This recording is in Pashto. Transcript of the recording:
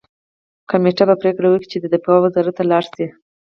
کمېټه به پریکړه وکړي چې ته دفاع وزارت ته لاړ شې